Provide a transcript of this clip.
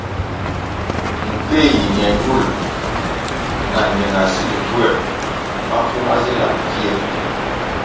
Nkéh yi ñe ñul na ñe na sil gywer mafu ma zi lang pfie.